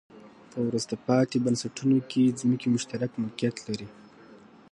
په وروسته پاتې بنسټونو کې ځمکې مشترک ملکیت لري.